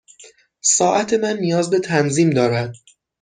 ساعت من نیاز به تنظیم دارد.